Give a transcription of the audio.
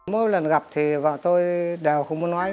mỗi lần gặp thì vợ tôi đều không muốn nói